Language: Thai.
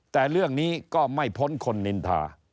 แต่เรื่องนี้ก็ไม่พ้นคนนินทา